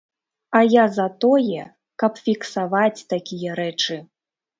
А я за тое, каб фіксаваць такія рэчы.